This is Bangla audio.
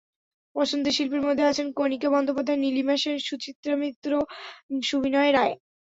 পছন্দের শিল্পীর মধ্যে আছেন কণিকা বন্দ্যোপাধ্যায়, নীলিমা সেন, সুচিত্রা মিত্র, সুবিণয় রায়।